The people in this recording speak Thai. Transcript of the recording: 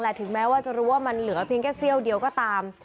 ถึงแม้ว่าจะรู้ว่ามันเหลือเพียงแค่เสี้ยวเดียวก็ตาม